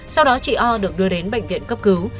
sau đó chị o được đưa đến bệnh viện cấp cứu